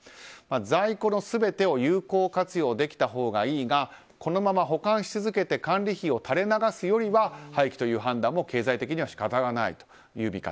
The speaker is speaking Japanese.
在庫の全てを有効活用できたほうがいいがこのまま保管し続けて管理費を垂れ流すよりは廃棄という判断も経済的には仕方がないという見方。